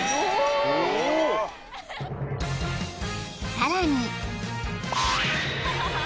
［さらに］